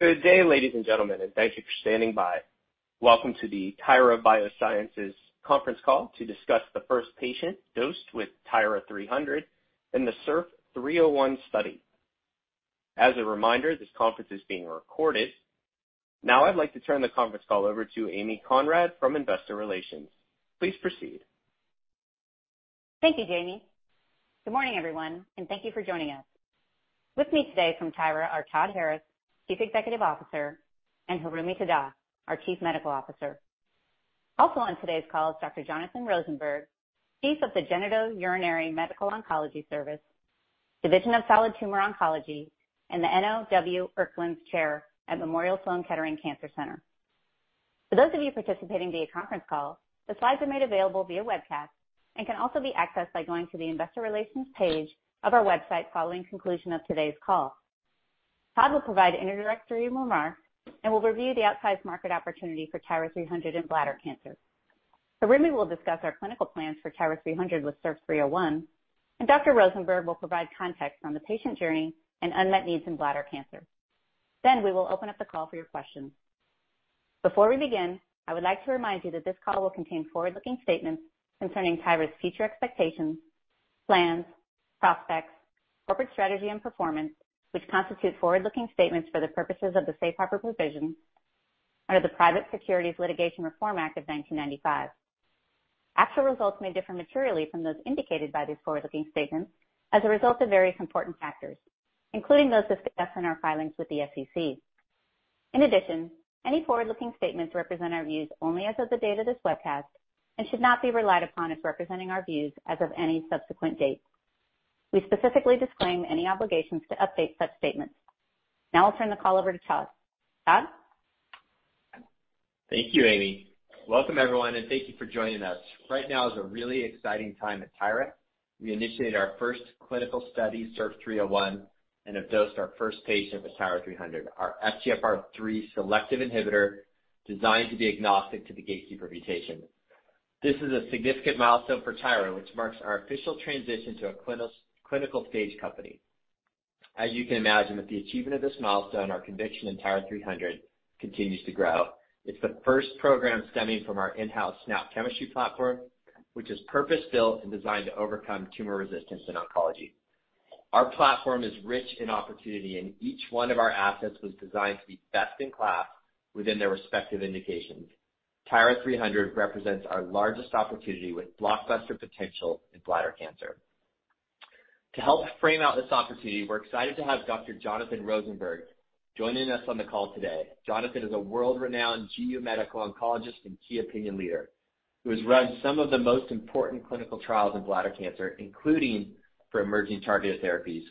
Good day, ladies and gentlemen, and thank you for standing by. Welcome to the TYRA Biosciences Conference Call to discuss the first patient dosed with TYRA-300 in the SURF-301 study. As a reminder, this conference is being recorded. Now I'd like to turn the conference call over to Amy Conrad from Investor Relations. Please proceed. Thank you, Jamie. Good morning, everyone, and thank you for joining us. With me today from TYRA are Todd Harris, Chief Executive Officer, and Hiroomi Tada, our Chief Medical Officer. Also on today's call is Dr. Jonathan Rosenberg, Chief of the Genitourinary Medical Oncology Service, Division of Solid Tumor Oncology, and the Enno W. Ercklentz Chair at Memorial Sloan Kettering Cancer Center. For those of you participating via conference call, the slides are made available via webcast and can also be accessed by going to the investor relations page of our website following conclusion of today's call. Todd will provide introductory remarks and will review the outside market opportunity for TYRA-300 in bladder cancer. Hiroomi will discuss our clinical plans for TYRA-300 with SURF301, and Dr. Rosenberg will provide context on the patient journey and unmet needs in bladder cancer. We will open up the call for your questions. Before we begin, I would like to remind you that this call will contain forward-looking statements concerning TYRA's future expectations, plans, prospects, corporate strategy, and performance, which constitute forward-looking statements for the purposes of the safe harbor provision under the Private Securities Litigation Reform Act of 1995. Actual results may differ materially from those indicated by these forward-looking statements as a result of various important factors, including those discussed in our filings with the SEC. Any forward-looking statements represent our views only as of the date of this webcast and should not be relied upon as representing our views as of any subsequent date. We specifically disclaim any obligations to update such statements. I'll turn the call over to Todd. Todd? Thank you, Amy. Welcome, everyone, and thank you for joining us. Right now is a really exciting time at TYRA. We initiated our first clinical study, SURF-301, and have dosed our first patient with TYRA-300, our FGFR3 selective inhibitor designed to be agnostic to the gatekeeper mutation. This is a significant milestone for TYRA, which marks our official transition to a clinical stage company. As you can imagine, with the achievement of this milestone, our conviction in TYRA-300 continues to grow. It's the first program stemming from our in-house SNAP chemistry platform, which is purpose-built and designed to overcome tumor resistance in oncology. Our platform is rich in opportunity, and each one of our assets was designed to be best in class within their respective indications. TYRA-300 represents our largest opportunity with blockbuster potential in bladder cancer. To help frame out this opportunity, we're excited to have Dr. Jonathan Rosenberg joining us on the call today. Jonathan is a world-renowned GU medical oncologist and key opinion leader who has run some of the most important clinical trials in bladder cancer, including for emerging targeted therapies.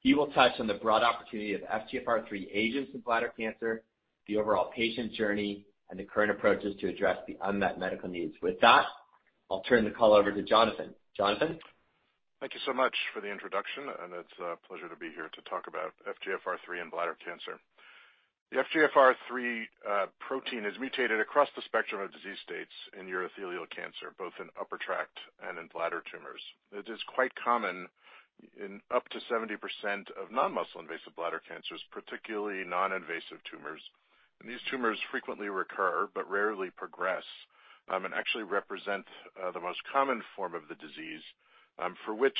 He will touch on the broad opportunity of FGFR3 agents in bladder cancer, the overall patient journey, and the current approaches to address the unmet medical needs. With that, I'll turn the call over to Jonathan. Jonathan? Thank you so much for the introduction, and it's a pleasure to be here to talk about FGFR3 and bladder cancer. The FGFR3 protein is mutated across the spectrum of disease states in urothelial cancer, both in upper tract and in bladder tumors. It is quite common in up to 70% of non-muscle invasive bladder cancers, particularly non-invasive tumors. These tumors frequently recur but rarely progress, and actually represent the most common form of the disease, for which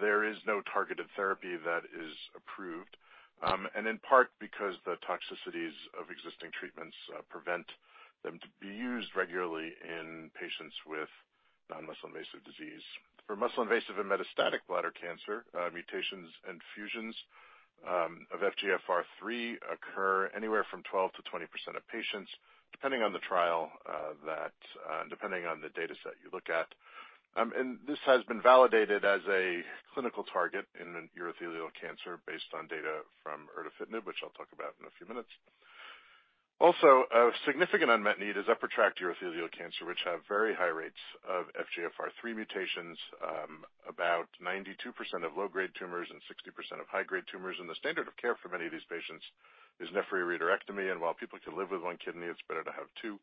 there is no targeted therapy that is approved. In part, because the toxicities of existing treatments prevent them to be used regularly in patients with non-muscle invasive disease. For muscle-invasive and metastatic bladder cancer, mutations and fusions of FGFR3 occur anywhere from 12%-20% of patients, depending on the trial, depending on the dataset you look at. This has been validated as a clinical target in an urothelial cancer based on data from erdafitinib, which I'll talk about in a few minutes. Also, a significant unmet need is upper tract urothelial cancer, which have very high rates of FGFR3 mutations, about 92% of low-grade tumors and 60% of high-grade tumors. The standard of care for many of these patients is nephroureterectomy. While people can live with one kidney, it's better to have two.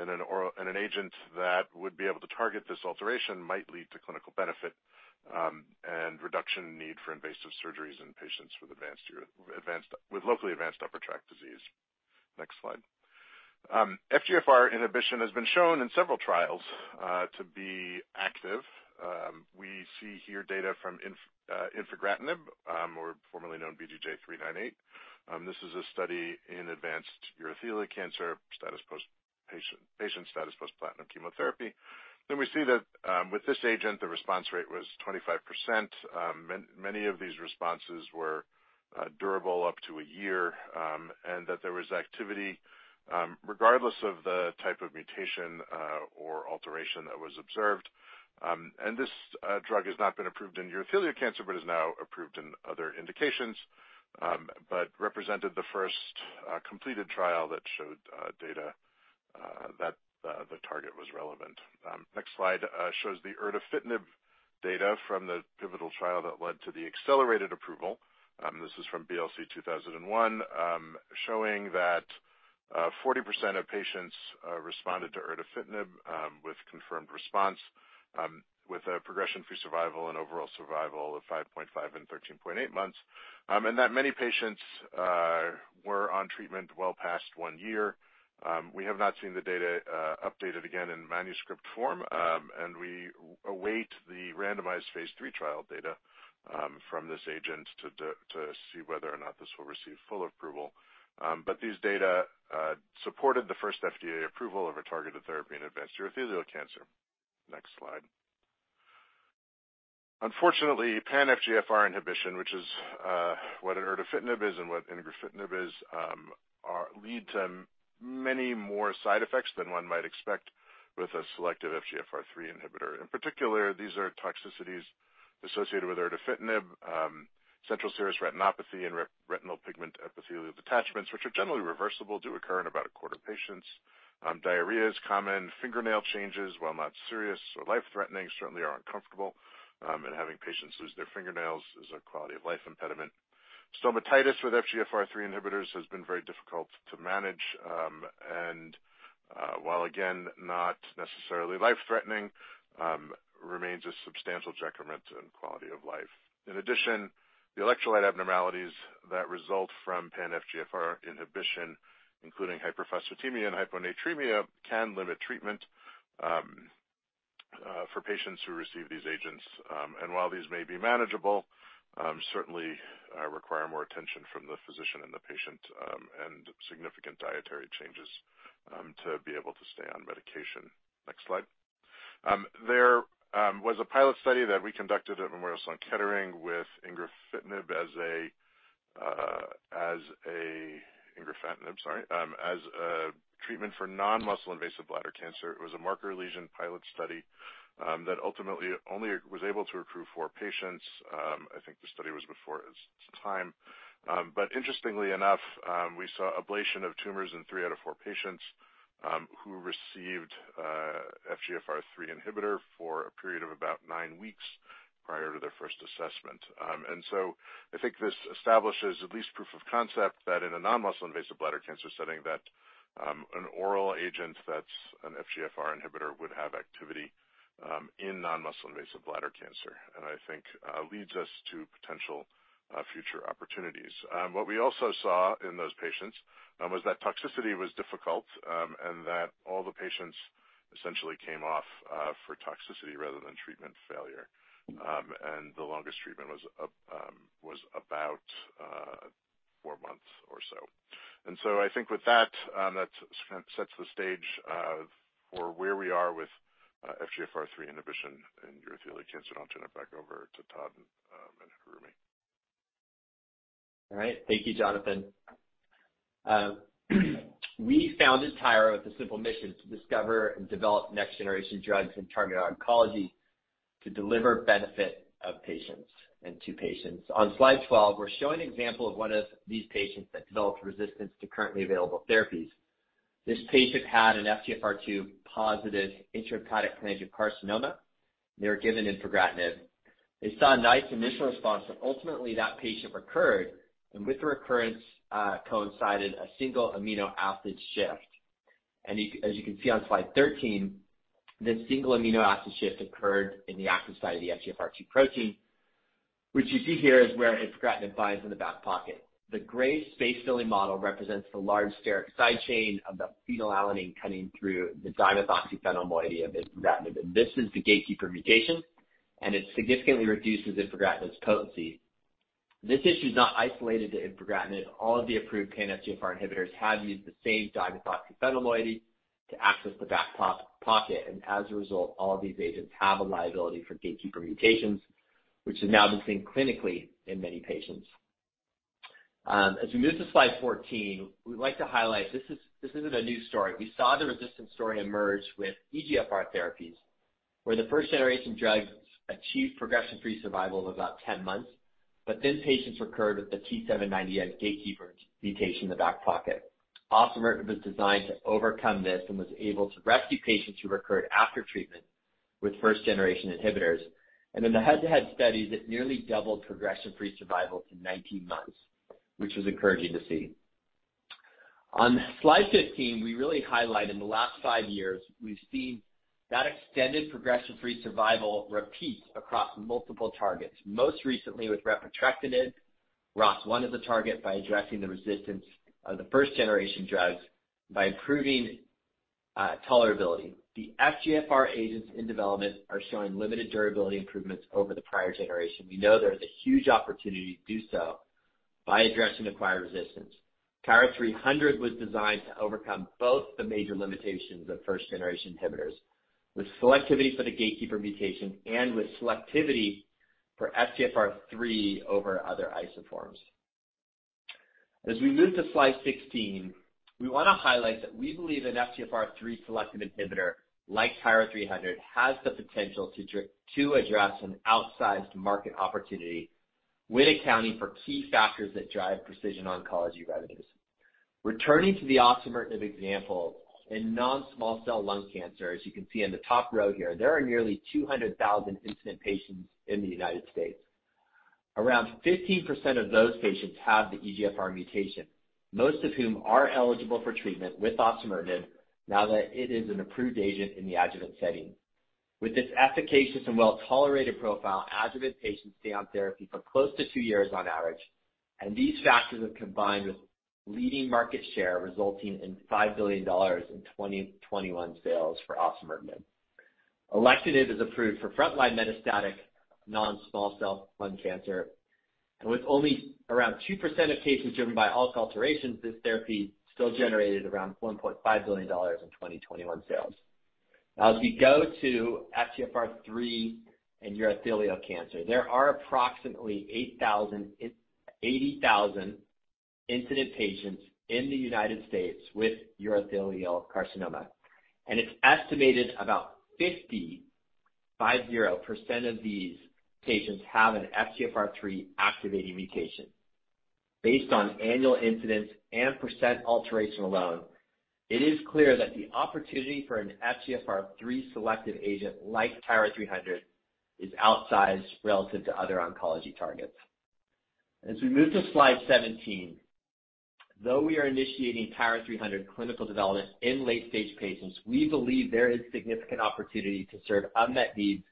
An agent that would be able to target this alteration might lead to clinical benefit, and reduction in need for invasive surgeries in patients with advanced with locally advanced upper tract disease. Next slide. FGFR inhibition has been shown in several trials to be active. We see here data from infigratinib, or formerly known BGJ398. This is a study in advanced urothelial cancer status post patient status post platinum chemotherapy. We see that, with this agent, the response rate was 25%. Many of these responses were durable up to a year, and that there was activity regardless of the type of mutation or alteration that was observed. This drug has not been approved in urothelial cancer but is now approved in other indications, but represented the first completed trial that showed data that the target was relevant. Next slide shows the erdafitinib data from the pivotal trial that led to the accelerated approval. This is from BLC2001, showing that 40% of patients responded to erdafitinib with confirmed response, with a progression-free survival and overall survival of 5.5 and 13.8 months, and that many patients were on treatment well past one year. We have not seen the data updated again in manuscript form, and we await the randomized phase III trial data from this agent to see whether or not this will receive full approval. These data supported the first FDA approval of a targeted therapy in advanced urothelial cancer. Next slide. Unfortunately, pan FGFR inhibition, which is what an erdafitinib is and what infigratinib is, lead to many more side effects than one might expect with a selective FGFR3 inhibitor. In particular, these are toxicities associated with erdafitinib, central serous retinopathy and retinal pigment epithelial detachments, which are generally reversible, do occur in about a quarter of patients. Diarrhea is common. Fingernail changes, while not serious or life-threatening, certainly are uncomfortable, and having patients lose their fingernails is a quality-of-life impediment. Stomatitis with FGFR3 inhibitors has been very difficult to manage, and while again, not necessarily life-threatening, remains a substantial detriment to quality of life. In addition, the electrolyte abnormalities that result from pan FGFR inhibition, including hyperphosphatemia and hyponatremia, can limit treatment for patients who receive these agents. While these may be manageable, certainly require more attention from the physician and the patient, and significant dietary changes to be able to stay on medication. Next slide. There was a pilot study that we conducted at Memorial Sloan Kettering with infigratinib as a infigratinib, sorry, as a treatment for non-muscle invasive bladder cancer. It was a marker lesion pilot study that ultimately only was able to recruit four patients. I think the study was before its time. Interestingly enough, we saw ablation of tumors in three out of four patients who received FGFR3 inhibitor for a period of about 9 weeks prior to their first assessment. I think this establishes at least proof of concept that in a non-muscle invasive bladder cancer setting, that an oral agent that's an FGFR inhibitor would have activity in non-muscle invasive bladder cancer, and I think leads us to potential future opportunities. What we also saw in those patients was that toxicity was difficult, and that all the patients essentially came off for toxicity rather than treatment failure. The longest treatment was about four months or so. I think with that kind of sets the stage for where we are with FGFR3 inhibition in urothelial cancer. I'll turn it back over to Todd and Hiroomi. All right. Thank you, Jonathan. We founded TYRA with a simple mission to discover and develop next-generation drugs in targeted oncology to deliver benefit of patients and to patients. On slide 12, we're showing an example of one of these patients that developed resistance to currently available therapies. This patient had an FGFR2-positive intrahepatic cholangiocarcinoma. They were given infigratinib. They saw a nice initial response, but ultimately that patient recurred, and with the recurrence coincided a single amino acid shift. As you can see on slide 13, this single amino acid shift occurred in the active site of the FGFR2 protein, which you see here is where infigratinib binds in the back pocket. The gray space filling model represents the large steric side chain of the phenylalanine cutting through the dimethoxyphenyl moiety of infigratinib, and this is the gatekeeper mutation, and it significantly reduces infigratinib's potency. This issue is not isolated to infigratinib. All of the approved pan-FGFR inhibitors have used the same dimethoxyphenyl moiety to access the back pocket. As a result, all of these agents have a liability for gatekeeper mutations, which has now been seen clinically in many patients. As we move to slide 14, we'd like to highlight this isn't a new story. We saw the resistance story emerge with EGFR therapies, where the first-generation drugs achieved progression-free survival of about 10 months, but then patients recurred with the T790M gatekeeper mutation in the back pocket. osimertinib was designed to overcome this and was able to rescue patients who recurred after treatment with first-generation inhibitors. In the head-to-head studies, it nearly doubled progression-free survival to 19 months, which was encouraging to see. On slide 15, we really highlight in the last five years, we've seen that extended progression-free survival repeat across multiple targets, most recently with repotrectinib. ROS1 is a target by addressing the resistance of the first-generation drugs by improving tolerability. The FGFR agents in development are showing limited durability improvements over the prior generation. We know there is a huge opportunity to do so by addressing acquired resistance. TYRA-300 was designed to overcome both the major limitations of first-generation inhibitors, with selectivity for the gatekeeper mutation and with selectivity for FGFR3 over other isoforms. As we move to slide 16, we want to highlight that we believe an FGFR3 selective inhibitor, like TYRA-300, has the potential to address an outsized market opportunity with accounting for key factors that drive precision oncology revenues. Returning to the osimertinib example, in non-small cell lung cancer, as you can see on the top row here, there are nearly 200,000 incident patients in the United States. Around 15% of those patients have the EGFR mutation, most of whom are eligible for treatment with osimertinib now that it is an approved agent in the adjuvant setting. With its efficacious and well-tolerated profile, adjuvant patients stay on therapy for close to two years on average, and these factors have combined with leading market share resulting in $5 billion in 2021 sales for osimertinib. Alectinib is approved for front line metastatic non-small cell lung cancer. With only around 2% of cases driven by ALK alterations, this therapy still generated around $1.5 billion in 2021 sales. Now as we go to FGFR3 and urothelial cancer, there are approximately 80,000 incident patients in the United States with urothelial carcinoma, and it's estimated about 50% of these patients have an FGFR3 activating mutation. Based on annual incidence and percent alteration alone, it is clear that the opportunity for an FGFR3 selective agent like TYRA-300 is outsized relative to other oncology targets. As we move to slide 17, though we are initiating TYRA-300 clinical development in late stage patients, we believe there is significant opportunity to serve unmet needs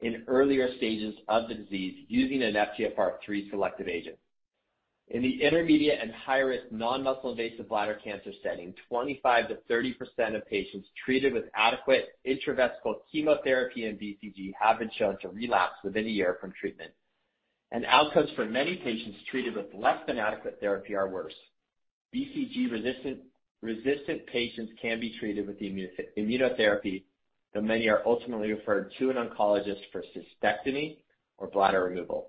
in earlier stages of the disease using an FGFR3 selective agent. In the intermediate and high risk non-muscle invasive bladder cancer setting, 25%-30% of patients treated with adequate intravesical chemotherapy and BCG have been shown to relapse within a year from treatment. Outcomes for many patients treated with less than adequate therapy are worse. BCG resistant patients can be treated with the immunotherapy, though many are ultimately referred to an oncologist for cystectomy or bladder removal.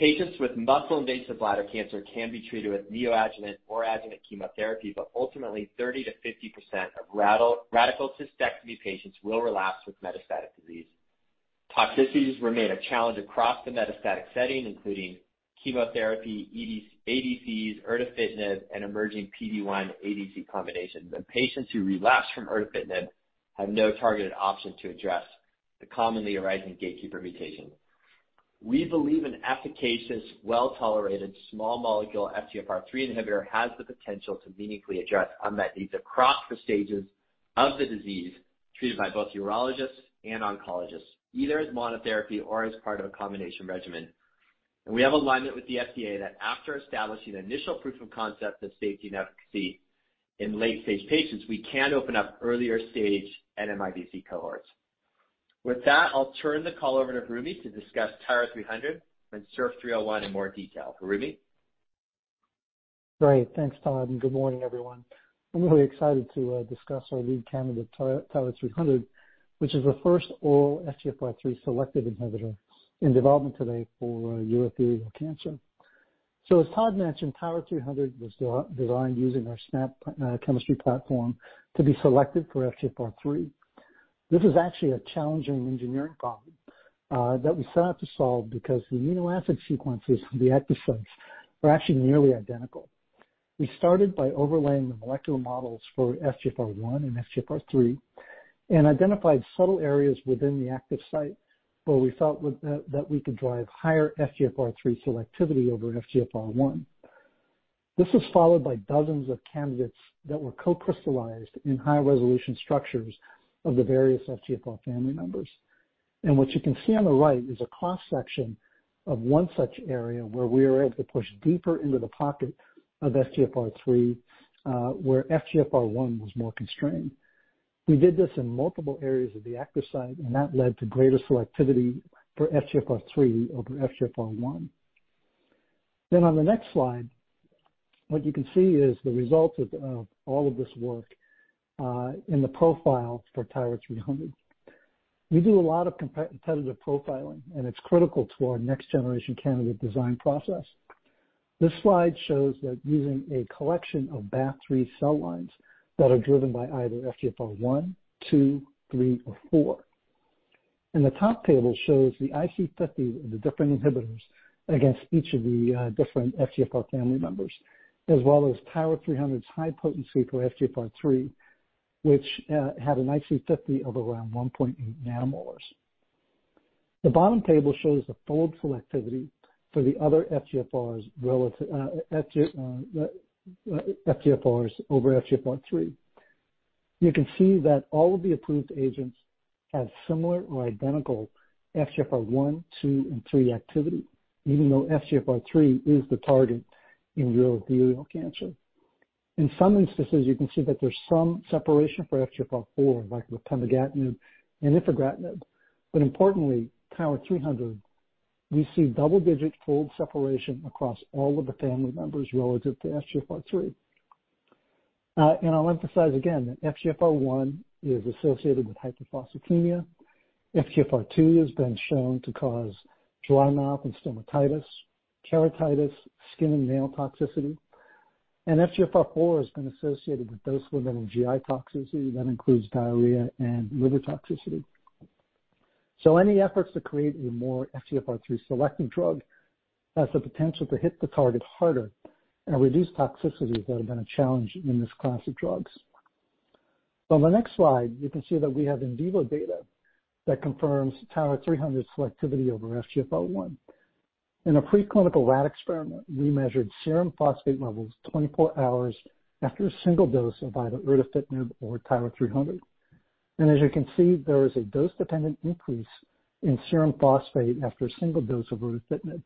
Patients with muscle-invasive bladder cancer can be treated with neoadjuvant or adjuvant chemotherapy, ultimately 30%-50% of radical cystectomy patients will relapse with metastatic disease. Toxicities remain a challenge across the metastatic setting, including chemotherapy, ADCs, erdafitinib, and emerging PD-1 ADC combinations. Patients who relapse from erdafitinib have no targeted option to address the commonly arising gatekeeper mutation. We believe an efficacious, well-tolerated small molecule FGFR3 inhibitor has the potential to meaningfully address unmet needs across the stages of the disease treated by both urologists and oncologists, either as monotherapy or as part of a combination regimen. We have alignment with the FDA that after establishing initial proof of concept of safety and efficacy in late-stage patients, we can open up earlier-stage NMIBC cohorts. With that, I'll turn the call over to Hiroomi to discuss TYRA-300 and SURF-301 in more detail. Hiroomi? Great. Thanks, Todd, and good morning, everyone. I'm really excited to discuss our lead candidate, TYRA-300, which is the first oral FGFR3 selective inhibitor in development today for urothelial cancer. As Todd mentioned, TYRA-300 was de-designed using our SNAP chemistry platform to be selective for FGFR3. This is actually a challenging engineering problem that we set out to solve because the amino acid sequences from the active sites were actually nearly identical. We started by overlaying the molecular models for FGFR1 and FGFR3 and identified subtle areas within the active site where we felt that we could drive higher FGFR3 selectivity over FGFR1. This was followed by dozens of candidates that were co-crystallized in high-resolution structures of the various FGFR family members. What you can see on the right is a cross-section of one such area where we were able to push deeper into the pocket of FGFR3, where FGFR1 was more constrained. We did this in multiple areas of the active site, that led to greater selectivity for FGFR3 over FGFR1. On the next slide, what you can see is the result of all of this work, in the profile for TYRA-300. We do a lot of competitive profiling, and it's critical to our next generation candidate design process. This slide shows that using a collection of Ba/F3 cell lines that are driven by either FGFR1, FGFR2, FGFR3 or FGFR4. The top table shows the IC50 of the different inhibitors against each of the different FGFR family members, as well as TYRA-300's high potency for FGFR3, which had an IC50 of around 1.8 nanomoles. The bottom table shows the fold selectivity for the other FGFRs relative FGFRs over FGFR3. You can see that all of the approved agents have similar or identical FGFR1, 2, and 3 activity, even though FGFR3 is the target in urothelial cancer. In some instances you can see that there's some separation for FGFR4, like with pemigatinib and infigratinib. Importantly, TYRA-300, we see double-digit fold separation across all of the family members relative to FGFR3. I'll emphasize again that FGFR1 is associated with hyperphosphatemia. FGFR2 has been shown to cause dry mouth and stomatitis, keratitis, skin and nail toxicity. FGFR4 has been associated with dose limiting GI toxicity. That includes diarrhea and liver toxicity. Any efforts to create a more FGFR3 selective drug has the potential to hit the target harder and reduce toxicities that have been a challenge in this class of drugs. On the next slide, you can see that we have in vivo data that confirms TYRA-300 selectivity over FGFR1. In a preclinical rat experiment, we measured serum phosphate levels 24 hours after a single dose of either erdafitinib or TYRA-300. As you can see, there is a dose-dependent increase in serum phosphate after a single dose of erdafitinib,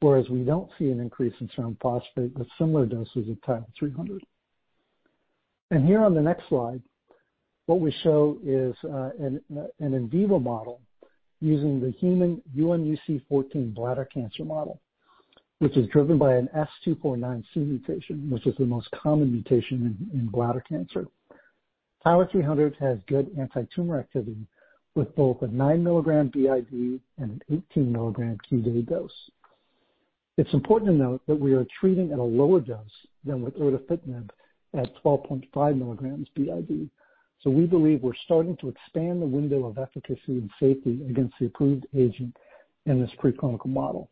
whereas we don't see an increase in serum phosphate with similar doses of TYRA-300. Here on the next slide, what we show is an in vivo model using the human UM-UC-14 bladder cancer model, which is driven by an S249C mutation, which is the most common mutation in bladder cancer. TYRA-300 has good antitumor activity with both a 9-milligram BID and an 18-milligram Q day dose. It's important to note that we are treating at a lower dose than with erdafitinib at 12.5 milligrams BID. We believe we're starting to expand the window of efficacy and safety against the approved agent in this preclinical model.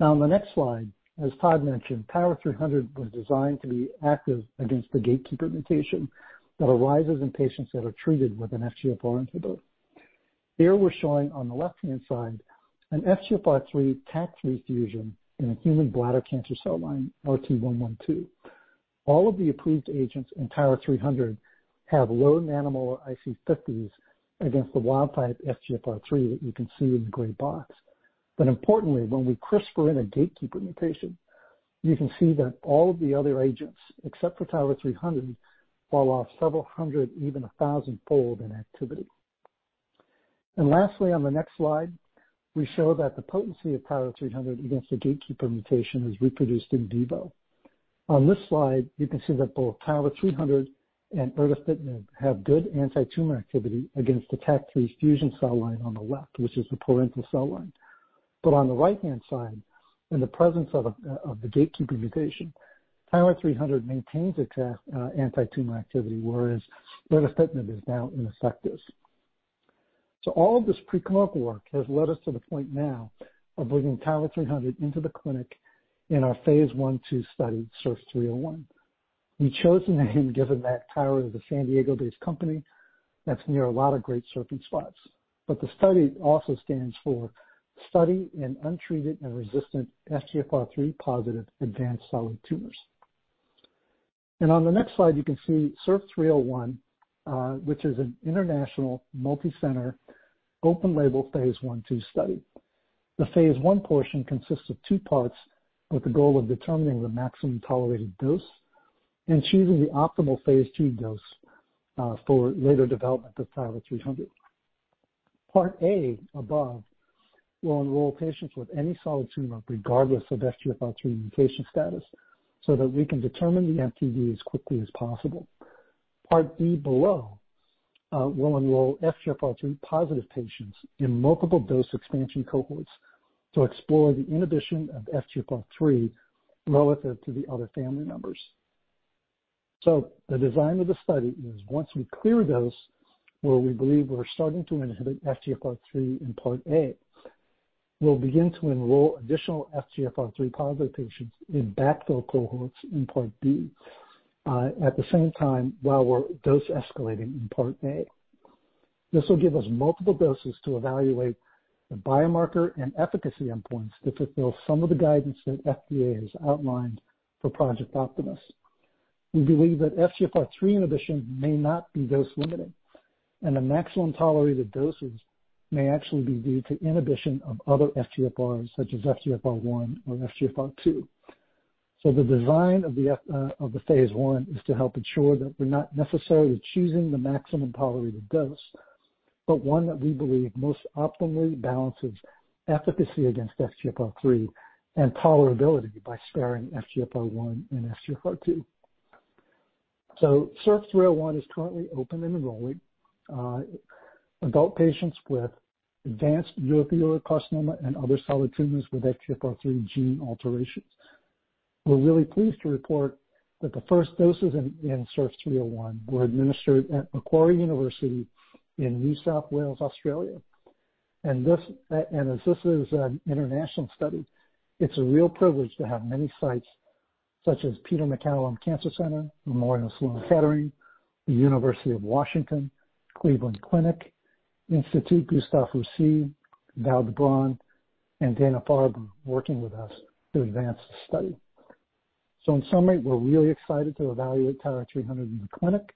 On the next slide, as Todd mentioned, TYRA-300 was designed to be active against the gatekeeper mutation that arises in patients that are treated with an FGFR inhibitor. Here we're showing on the left-hand side an FGFR3-TACC3 fusion in a human bladder cancer cell line, RT112. All of the approved agents in TYRA-300 have low nanomolar IC50s against the wild type FGFR3 that you can see in the gray box. Importantly, when we CRISPR in a gatekeeper mutation, you can see that all of the other agents, except for TYRA-300, fall off several hundred, even 1,000-fold in activity. Lastly, on the next slide, we show that the potency of TYRA-300 against the gatekeeper mutation is reproduced in vivo. On this slide, you can see that both TYRA-300 and erdafitinib have good antitumor activity against the TACC3 fusion cell line on the left, which is the parental cell line. On the right-hand side, in the presence of the gatekeeper mutation, TYRA-300 maintains its antitumor activity, whereas erdafitinib is now ineffective. All this preclinical work has led us to the point now of bringing TYRA-300 into the clinic in our Phase I/II study, SURF301. We chose the name given that TYRA is a San Diego-based company that's near a lot of great surfing spots. The study also stands for Study in Untreated and Resistant FGFR3-positive Advanced Solid Tumors. On the next slide, you can see SURF301, which is an international multicenter open label Phase I/II study. The Phase I portion consists of two parts with the goal of determining the maximum tolerated dose and choosing the optimal Phase II dose for later development of TYRA-300. Part A above will enroll patients with any solid tumor regardless of FGFR3 mutation status, so that we can determine the MTD as quickly as possible. Part B below will enroll FGFR3-positive patients in multiple dose expansion cohorts to explore the inhibition of FGFR3 relative to the other family members. The design of the study is once we clear those where we believe we're starting to inhibit FGFR3 in Part A, we'll begin to enroll additional FGFR3-positive patients in backfill cohorts in Part B at the same time while we're dose escalating in Part A. This will give us multiple doses to evaluate the biomarker and efficacy endpoints to fulfill some of the guidance that FDA has outlined for Project Optimus. We believe that FGFR3 inhibition may not be dose limiting, and the maximum tolerated doses may actually be due to inhibition of other FGFRs such as FGFR1 or FGFR2. The design of the phase I is to help ensure that we're not necessarily choosing the maximum tolerated dose, but one that we believe most optimally balances efficacy against FGFR3 and tolerability by sparing FGFR1 and FGFR2. SURF-301 is currently open and enrolling adult patients with advanced urothelial carcinoma and other solid tumors with FGFR3 gene alterations. We're really pleased to report that the first doses in SURF-301 were administered at Macquarie University in New South Wales, Australia. As this is an international study, it's a real privilege to have many sites such as Peter MacCallum Cancer Centre, Memorial Sloan Kettering Cancer Center, the University of Washington, Cleveland Clinic, Institut Gustave Roussy, Dalhousie University, and Dana-Farber Cancer Institute working with us to advance the study. In summary, we're really excited to evaluate TYRA-300 in the clinic,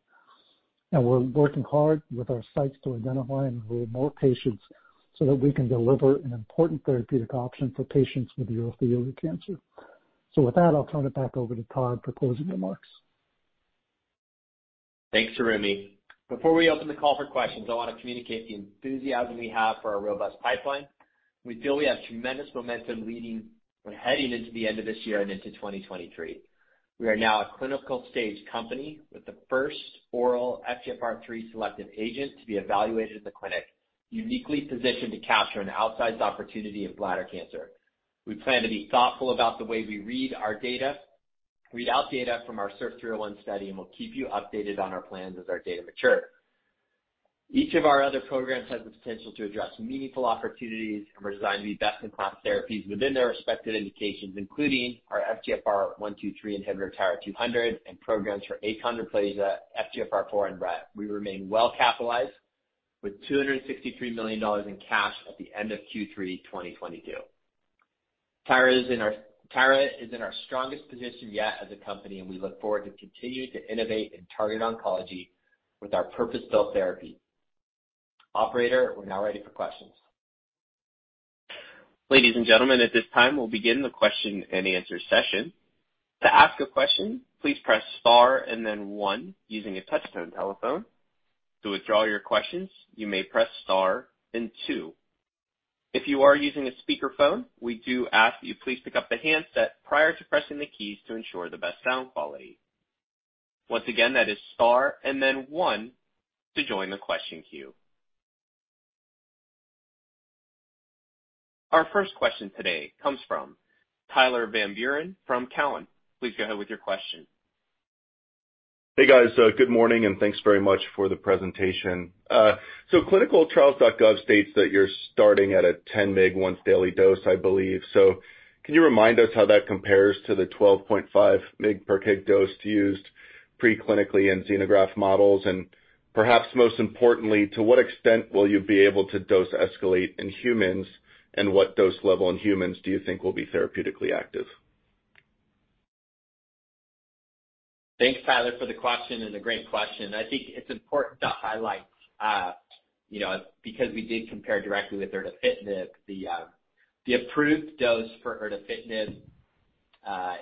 and we're working hard with our sites to identify and enroll more patients so that we can deliver an important therapeutic option for patients with urothelial cancer. With that, I'll turn it back over to Todd for closing remarks. Thanks, Hiroomi. Before we open the call for questions, I wanna communicate the enthusiasm we have for our robust pipeline. We feel we have tremendous momentum heading into the end of this year and into 2023. We are now a clinical-stage company with the first oral FGFR3 selective agent to be evaluated at the clinic, uniquely positioned to capture an outsized opportunity of bladder cancer. We plan to be thoughtful about the way we read out data from our SURF-301 study, and we'll keep you updated on our plans as our data mature. Each of our other programs has the potential to address meaningful opportunities and were designed to be best-in-class therapies within their respective indications, including our FGFR1/2/3 inhibitor TYRA-200 and programs for Achondroplasia, FGFR4 and RET. We remain well capitalized with $263 million in cash at the end of Q3 2022. TYRA is in our strongest position yet as a company. We look forward to continue to innovate and target oncology with our purpose-built therapy. Operator, we're now ready for questions. Ladies and gentlemen, at this time, we'll begin the question-and-answer session. To ask a question, please press star and then one using a touch-tone telephone. To withdraw your questions, you may press star then two. If you are using a speakerphone, we do ask that you please pick up the handset prior to pressing the keys to ensure the best sound quality. Once again, that is star and then one to join the question queue. Our first question today comes from Tyler Van Buren from Cowen. Please go ahead with your question. Hey, guys. Good morning, and thanks very much for the presentation. ClinicalTrials.gov states that you're starting at a 10 mg once daily dose, I believe. Can you remind us how that compares to the 12.5 mg/kg dose used preclinically in xenograft models? Perhaps most importantly, to what extent will you be able to dose escalate in humans, and what dose level in humans do you think will be therapeutically active? Thanks, Tyler, for the question and a great question. I think it's important to highlight, you know, because we did compare directly with erdafitinib, the approved dose for erdafitinib,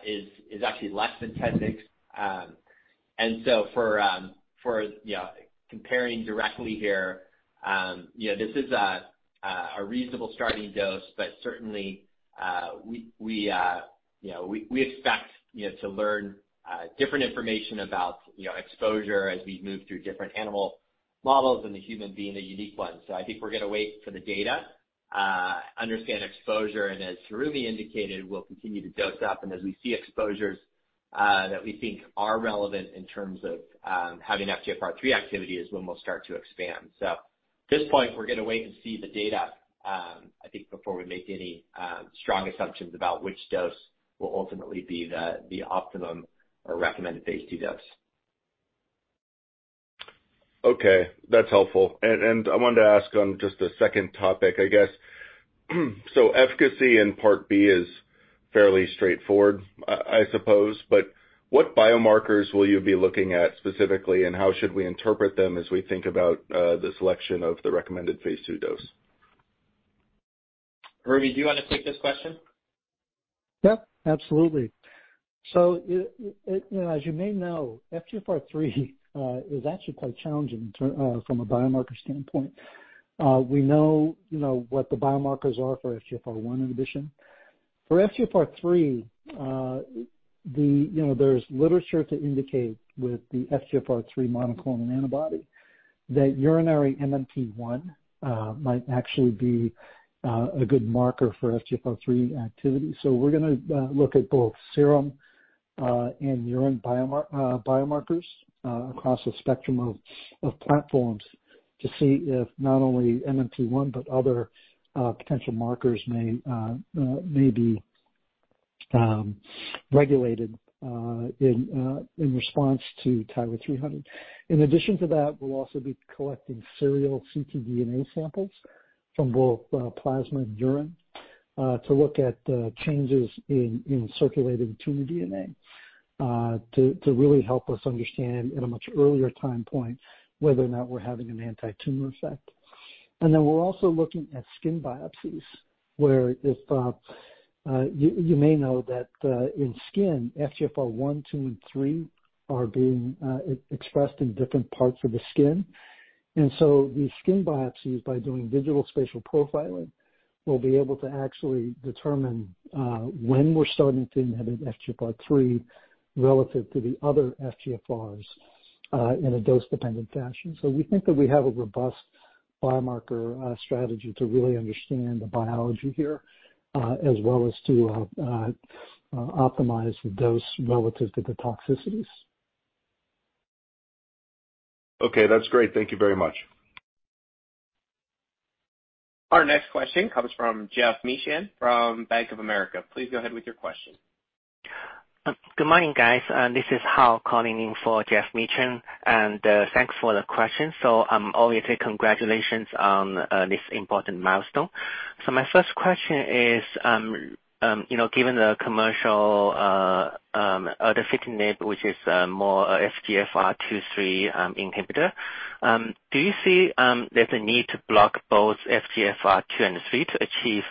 is actually less than 10 migs. For, for, you know, comparing directly here, you know, this is a reasonable starting dose, but certainly, we, you know, we expect, you know, to learn different information about, you know, exposure as we move through different animal models and the human being a unique one. I think we're gonna wait for the data, understand exposure, and as Hiroomi indicated, we'll continue to dose up. As we see exposures, that we think are relevant in terms of, having FGFR3 activity is when we'll start to expand. At this point, we're gonna wait to see the data, I think before we make any strong assumptions about which dose will ultimately be the optimum or recommended phase II dose. Okay. That's helpful. I wanted to ask on just a second topic, I guess. Efficacy in part B is fairly straightforward, I suppose, but what biomarkers will you be looking at specifically, and how should we interpret them as we think about the selection of the recommended phase II dose? Hiroomi, do you wanna take this question? Yeah, absolutely. As you may know, FGFR3 is actually quite challenging from a biomarker standpoint. We know, you know, what the biomarkers are for FGFR1 inhibition. For FGFR3, the, you know, there's literature to indicate with the FGFR3 monoclonal antibody that urinary MMP1 might actually be a good marker for FGFR3 activity. We're gonna look at both serum and urine biomarkers across a spectrum of platforms to see if not only MMP1, but other potential markers may be regulated in response to TYRA-300. In addition to that, we'll also be collecting serial ctDNA samples from both plasma and urine to look at changes in circulating tumor DNA to really help us understand at a much earlier time point whether or not we're having an anti-tumor effect. Then we're also looking at skin biopsies, where if you may know that in skin, FGFR1, 2, and 3 are being expressed in different parts of the skin. So these skin biopsies, by doing digital spatial profiling, we'll be able to actually determine when we're starting to inhibit FGFR3 relative to the other FGFRs in a dose-dependent fashion. We think that we have a robust biomarker strategy to really understand the biology here, as well as to optimize the dose relative to the toxicities. Okay, that's great. Thank you very much. Our next question comes from Geoff Meacham from Bank of America. Please go ahead with your question. Good morning, guys. This is Hao calling in for Geoff Meacham, thanks for the question. Obviously, congratulations on this important milestone. My first question is, you know, given the commercial erdafitinib, which is more a FGFR2, 3 inhibitor, do you see there's a need to block both FGFR2 and 3 to achieve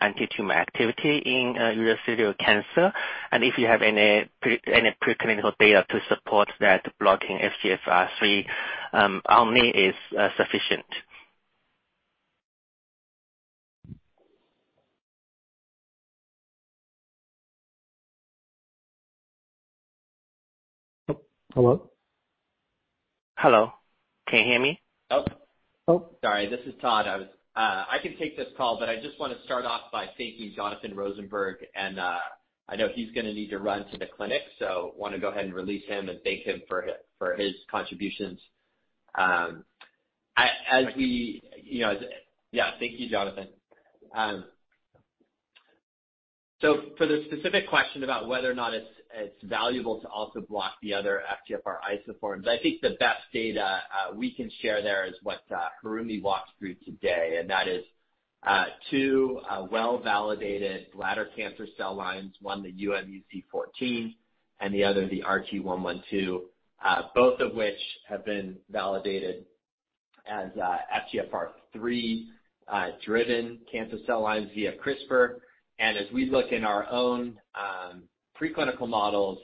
anti-tumor activity in urothelial cancer? If you have any preclinical data to support that blocking FGFR3 only is sufficient. Hello? Hello. Can you hear me? Oh. Oh. Sorry. This is Todd. I can take this call, but I just want to start off by thanking Jonathan Rosenberg. I know he's going to need to run to the clinic, so want to go ahead and release him and thank him for his contributions. As we, you know. Yeah. Thank you, Jonathan. For the specific question about whether or not it's valuable to also block the other FGFR isoforms, I think the best data we can share there is what Hiroomi walked through today, and that is two well-validated bladder cancer cell lines, one the UM-UC-14 and the other the RT112. Both of which have been validated as FGFR3 driven cancer cell lines via CRISPR. As we look in our own preclinical models,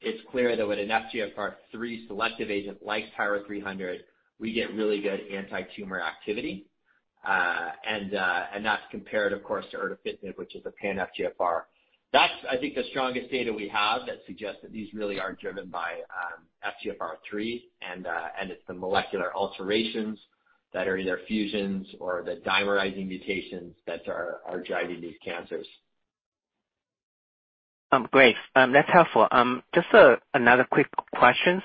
it's clear that with an FGFR3 selective agent like TYRA-300, we get really good antitumor activity. That's compared, of course, to erdafitinib, which is a pan-FGFR. That's, I think, the strongest data we have that suggests that these really are driven by FGFR3 and it's the molecular alterations that are either fusions or the dimerizing mutations that are driving these cancers. Great. That's helpful. Just another quick question.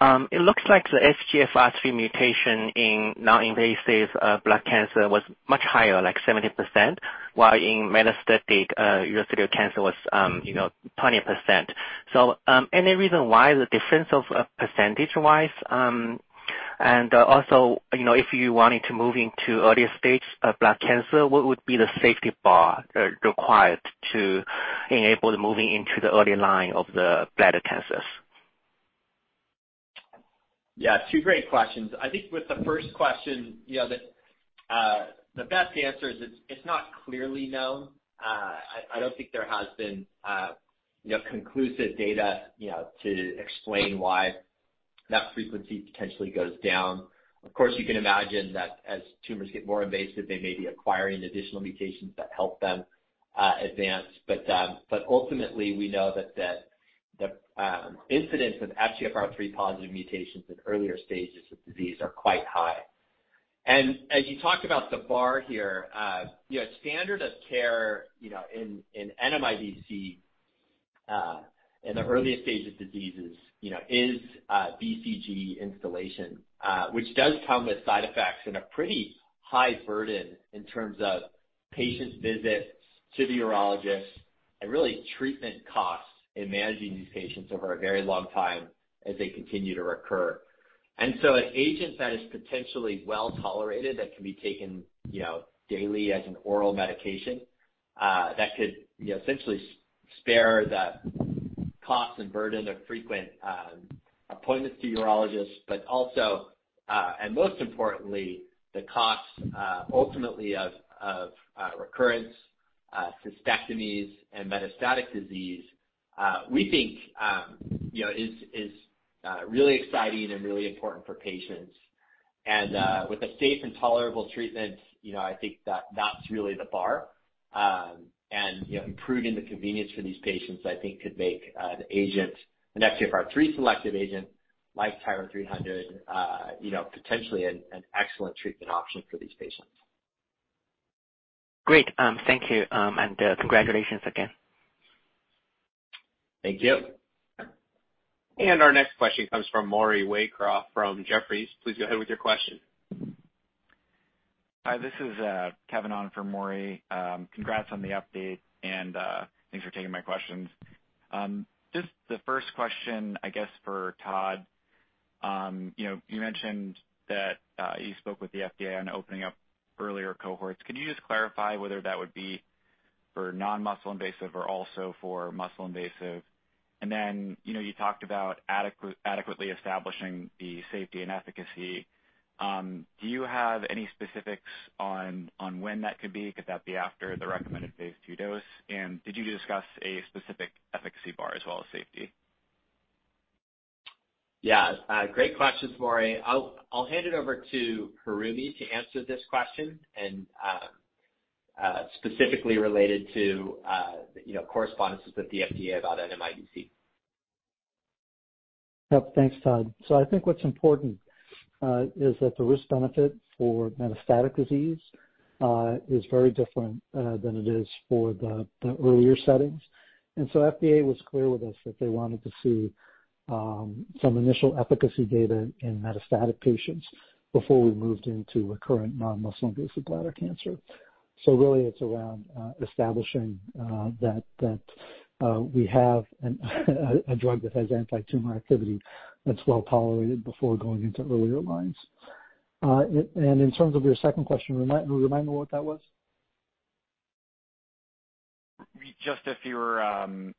It looks like the FGFR3 mutation in non-invasive blood cancer was much higher, like 70%, while in metastatic urothelial cancer was, you know, 20%. Any reason why the difference of percentage-wise, and also, you know, if you wanted to move into earlier stage of blood cancer, what would be the safety bar required to enable the moving into the early line of the bladder cancers? Yeah, two great questions. I think with the first question, you know, the best answer is it's not clearly known. I don't think there has been, you know, conclusive data, you know, to explain why that frequency potentially goes down. Of course, you can imagine that as tumors get more invasive, they may be acquiring additional mutations that help them advance. Ultimately, we know that the incidence of FGFR3 positive mutations in earlier stages of disease are quite high. As you talked about the bar here, you know, standard of care, you know, in MIBC, in the earliest stages of diseases, you know, is BCG installation. Which does come with side effects and a pretty high burden in terms of patients' visits to the urologist and really treatment costs in managing these patients over a very long time as they continue to recur. An agent that is potentially well-tolerated that can be taken, you know, daily as an oral medication, that could, you know, essentially spare the cost and burden of frequent appointments to urologists, but also, and most importantly, the costs ultimately of recurrence, cystectomies and metastatic disease, we think, you know, is really exciting and really important for patients. With a safe and tolerable treatment, you know, I think that that's really the bar. You know, improving the convenience for these patients, I think could make an agent, an FGFR3 selective agent like TYRA-300, you know, potentially an excellent treatment option for these patients. Great. Thank you. Congratulations again. Thank you. Our next question comes from Maury Raycroft from Jefferies. Please go ahead with your question. Hi, this is Kevin on for Maury. Congrats on the update, thanks for taking my questions. Just the first question, I guess, for Todd. You know, you mentioned that you spoke with the FDA on opening up earlier cohorts. Could you just clarify whether that would be for non-muscle invasive or also for muscle invasive? Then, you know, you talked about adequately establishing the safety and efficacy. Do you have any specifics on when that could be? Could that be after the recommended phase II dose? Did you discuss a specific efficacy bar as well as safety? Yeah. Great questions, Maury. I'll hand it over to Hiroomi to answer this question and specifically related to, you know, correspondences with the FDA about MIBC. Yep. Thanks, Todd. I think what's important, is that the risk benefit for metastatic disease, is very different, than it is for the earlier settings. FDA was clear with us that they wanted to see, some initial efficacy data in metastatic patients before we moved into recurrent non-muscle invasive bladder cancer. Really it's around, establishing that we have a drug that has antitumor activity that's well-tolerated before going into earlier lines. In terms of your second question, remind me what that was. Just if you were,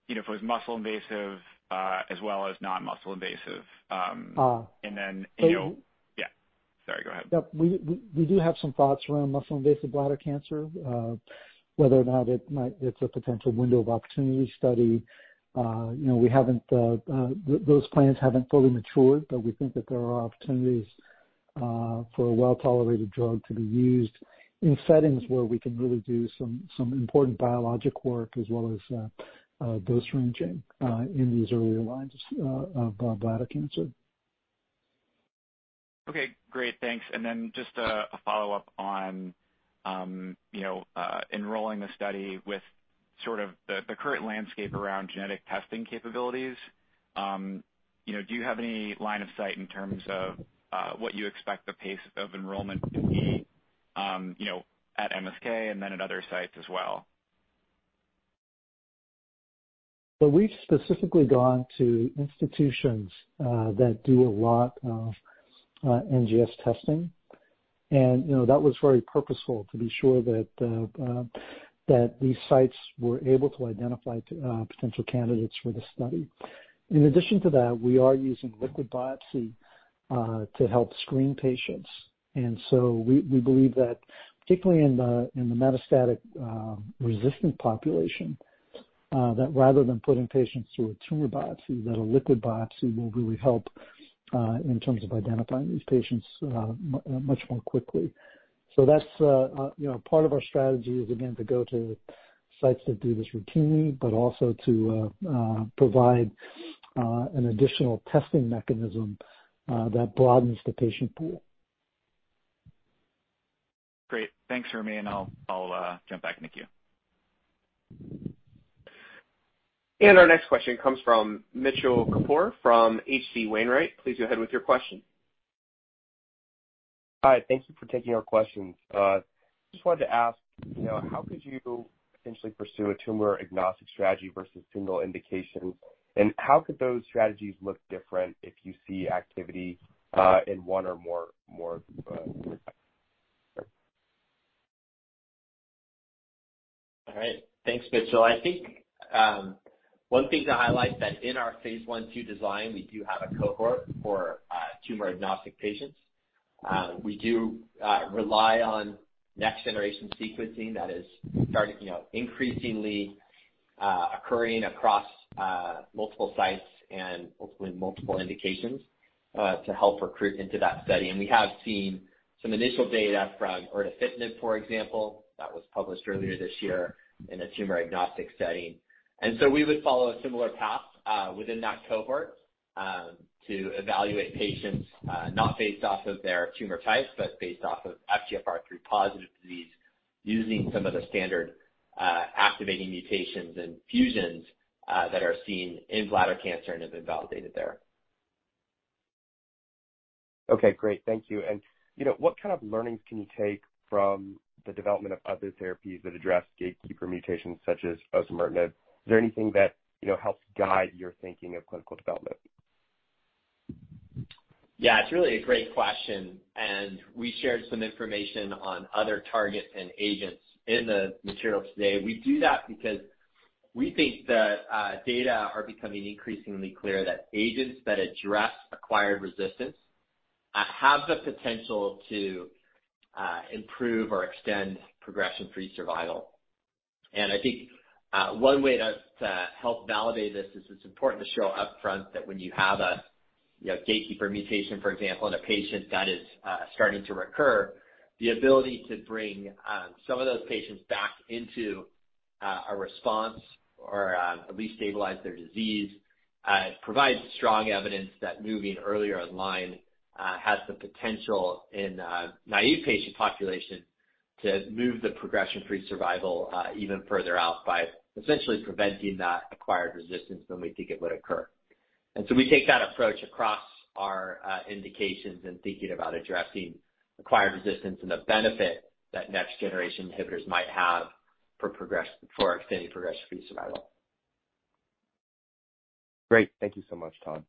you know, if it was muscle invasive, as well as non-muscle invasive. you know. So- Yeah. Sorry. Go ahead. Yep. We do have some thoughts around muscle-invasive bladder cancer, whether or not it's a potential window of opportunity study. You know, we haven't. Those plans haven't fully matured, but we think that there are opportunities for a well-tolerated drug to be used in settings where we can really do some important biologic work as well as dose ranging in these earlier lines of bladder cancer. Okay, great. Thanks. Just a follow-up on, you know, enrolling the study with sort of the current landscape around genetic testing capabilities. You know, do you have any line of sight in terms of what you expect the pace of enrollment to be, you know, at MSK and then at other sites as well? We've specifically gone to institutions that do a lot of NGS testing. You know, that was very purposeful to be sure that these sites were able to identify potential candidates for the study. In addition to that, we are using liquid biopsy to help screen patients. We believe that particularly in the metastatic resistant population, that rather than putting patients through a tumor biopsy, that a liquid biopsy will really help in terms of identifying these patients much more quickly. That's, you know, part of our strategy is again to go to sites that do this routinely, but also to provide an additional testing mechanism that broadens the patient pool. Great. Thanks, Hiroomi, I'll jump back in the queue. Our next question comes from Mitchell Kapoor from H.C. Wainwright. Please go ahead with your question. Hi. Thank you for taking our questions. just wanted to ask, you know, how could you potentially pursue a tumor-agnostic strategy versus single indications? How could those strategies look different if you see activity, in one or more? All right. Thanks, Mitchell. I think, one thing to highlight that in our phase I/II design, we do have a cohort for tumor-agnostic patients. We do rely on next generation sequencing that is starting, you know, increasingly occurring across multiple sites and ultimately multiple indications to help recruit into that study. We have seen some initial data from erdafitinib, for example, that was published earlier this year in a tumor-agnostic setting. So we would follow a similar path within that cohort to evaluate patients, not based off of their tumor types, but based off of FGFR3 positive disease using some of the standard activating mutations and fusions that are seen in bladder cancer and have been validated there. Okay, great. Thank you. You know, what kind of learnings can you take from the development of other therapies that address gatekeeper mutations such as osimertinib? Is there anything that, you know, helps guide your thinking of clinical development? Yeah, it's really a great question. We shared some information on other targets and agents in the material today. We do that because we think that data are becoming increasingly clear that agents that address acquired resistance have the potential to improve or extend progression-free survival. I think one way to help validate this is it's important to show up front that when you have a, you know, gatekeeper mutation, for example, in a patient that is starting to recur, the ability to bring some of those patients back into a response or at least stabilize their disease provides strong evidence that moving earlier in line has the potential in a naive patient population to move the progression-free survival even further out by essentially preventing that acquired resistance when we think it would occur. We take that approach across our indications in thinking about addressing acquired resistance and the benefit that next-generation inhibitors might have for extending progression-free survival. Great. Thank you so much, Todd.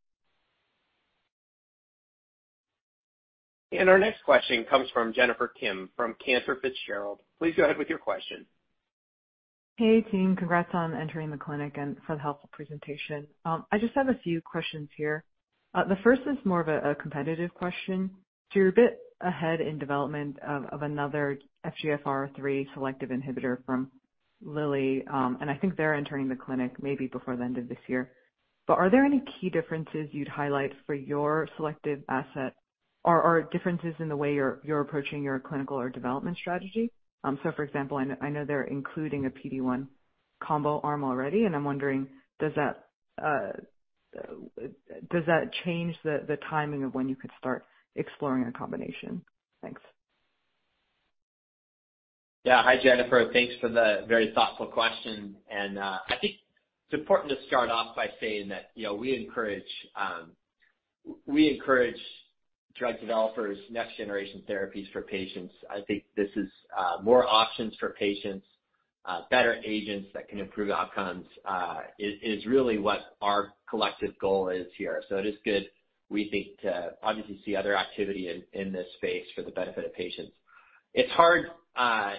Our next question comes from Jennifer Kim from Cantor Fitzgerald. Please go ahead with your question. Hey, team. Congrats on entering the clinic and for the helpful presentation. I just have a few questions here. The first is more of a competitive question. You're a bit ahead in development of another FGFR3 selective inhibitor from Lilly, I think they're entering the clinic maybe before the end of this year. Are there any key differences you'd highlight for your selective asset or differences in the way you're approaching your clinical or development strategy? For example, I know they're including a PD-1 combo arm already, I'm wondering does that change the timing of when you could start exploring a combination? Thanks. Yeah. Hi, Jennifer. Thanks for the very thoughtful question. I think it's important to start off by saying that, you know, we encourage drug developers' next generation therapies for patients. I think this is more options for patients, better agents that can improve outcomes, is really what our collective goal is here. It is good, we think, to obviously see other activity in this space for the benefit of patients. It's hard,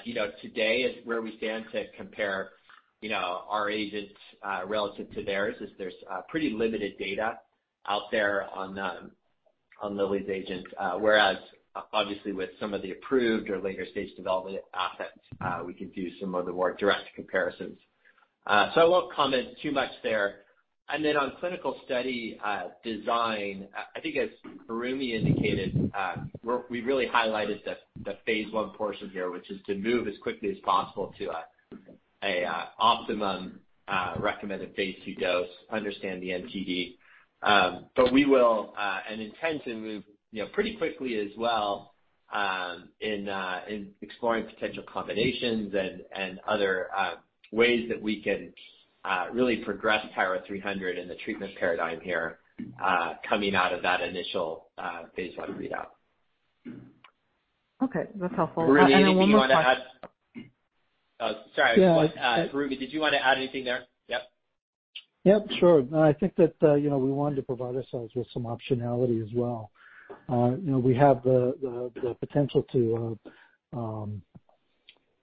you know, today as where we stand to compare, you know, our agents relative to theirs, as there's pretty limited data out there on Lilly's agent. Whereas, obviously with some of the approved or later-stage development assets, we could do some of the more direct comparisons. I won't comment too much there. On clinical study design, I think as Hiroomi indicated, we really highlighted the phase I portion here, which is to move as quickly as possible to an optimum recommended phase II dose, understand the MTD. We will and intend to move, you know, pretty quickly as well, in exploring potential combinations and other ways that we can really progress TYRA-300 in the treatment paradigm here, coming out of that initial phase I readout. Okay. That's helpful. Hiroomi, did you wanna add? One more question. Oh, sorry. Yeah. Hiroomi, did you wanna add anything there? Yep. Yep, sure. I think that, you know, we wanted to provide ourselves with some optionality as well. You know, we have the potential to,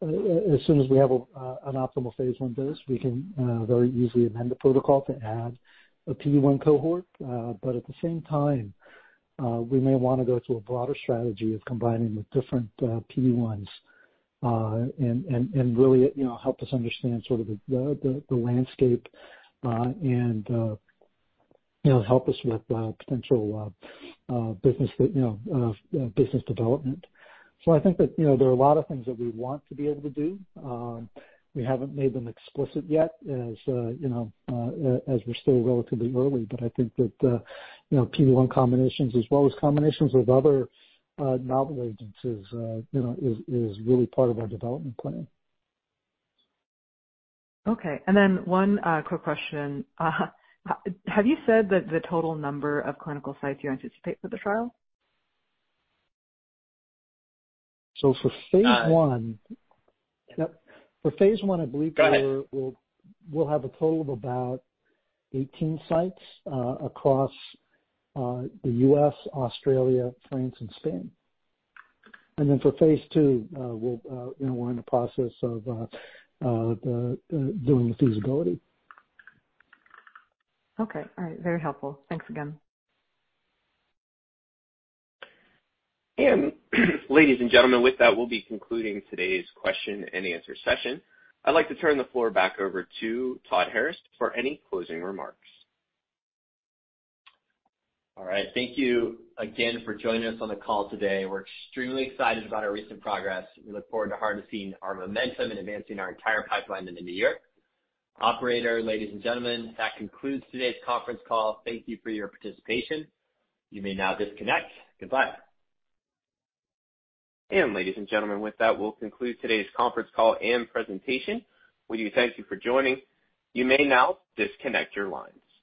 as soon as we have an optimal phase I dose, we can very easily amend the protocol to add a PD-1 cohort. At the same time, we may wanna go to a broader strategy of combining the different PD-1s, and really, you know, help us understand sort of the landscape, and, you know, help us with potential business development. I think that, you know, there are a lot of things that we want to be able to do. We haven't made them explicit yet as, you know, as we're still relatively early. I think that, you know, PD-1 combinations as well as combinations with other, novel ADCs, you know, is really part of our development plan. Okay. Then one quick question. Have you said that the total number of clinical sites you anticipate for the trial? for phase I. Yep, for phase I, I believe. Go ahead.... we'll have a total of about 18 sites across the U.S., Australia, France, and Spain. For phase II, we'll, you know, we're in the process of doing the feasibility. Okay. All right. Very helpful. Thanks again. Ladies and gentlemen, with that, we'll be concluding today's question-and-answer session. I'd like to turn the floor back over to Todd Harris for any closing remarks. All right. Thank you again for joining us on the call today. We're extremely excited about our recent progress. We look forward to harnessing our momentum and advancing our entire pipeline into the new year. Operator, ladies and gentlemen, that concludes today's conference call. Thank you for your participation. You may now disconnect. Goodbye. Ladies and gentlemen, with that, we'll conclude today's conference call and presentation. We do thank you for joining. You may now disconnect your lines.